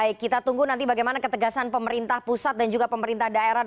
baik kita tunggu nanti bagaimana ketegasan pemerintah pusat dan juga pemerintah daerah